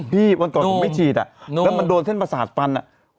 พี่วันป่อนไม่จีดแล้วมันโดนเส้นประสาทปัญ